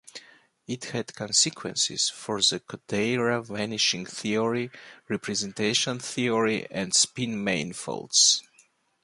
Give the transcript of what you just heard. It had consequences, for the Kodaira vanishing theory, representation theory, and spin manifolds.